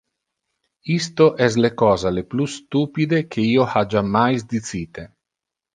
Isto es le cosa le plus stupide que io ha jammais dicite.